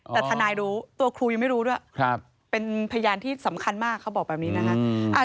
แต่ทนายรู้ตัวครูยังไม่รู้ด้วยเป็นพยานที่สำคัญมากเขาบอกแบบนี้นะคะ